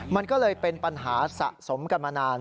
มันก็เลยเป็นปัญหาสะสมกันมานาน